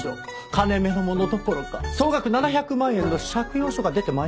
金目の物どころか総額７００万円の借用書が出て参りました。